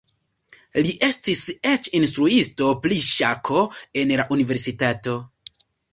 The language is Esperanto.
Li estis eĉ instruisto pri ŝako en la universitato.